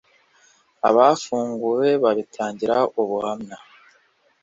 abafunguwe babitangira ubuhamya